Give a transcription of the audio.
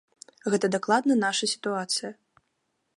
Гэта дакладна наша сітуацыя.